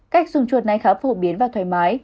cách dùng chuột này khá phổ biến và thoải mái